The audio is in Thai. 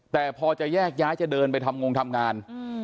แต่พอจะแยกย้ายจะเดินไปทำงงทำงาน